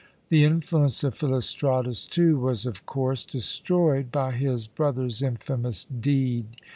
The influence of Philostratus, too, was of course destroyed by his brother's infamous deed.